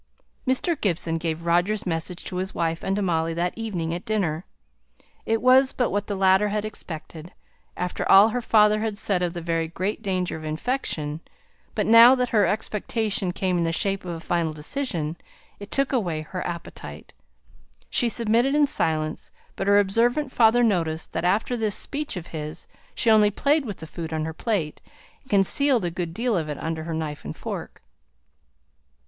Mr. Gibson gave Roger's message to his wife and to Molly that evening at dinner. It was but what the latter had expected, after all her father had said of the very great danger of infection; but now that her expectation came in the shape of a final decision, it took away her appetite. She submitted in silence; but her observant father noticed that after this speech of his, she only played with the food on her plate, and concealed a good deal of it under her knife and fork.